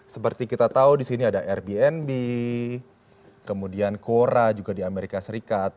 seperti kita tahu di sini ada airbnb kemudian cora juga di amerika serikat